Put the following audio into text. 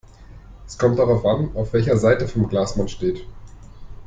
Es kommt darauf an, auf welcher Seite vom Glas man steht.